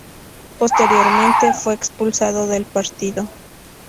Posteriormente fue expulsado del partido.